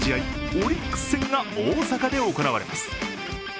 オリックス戦が大坂で行われます。